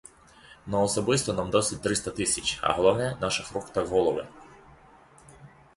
На особисту нам досить триста тисяч, а головне наших рук та голови.